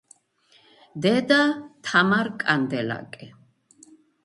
დედა: თამარ კანდელაკი.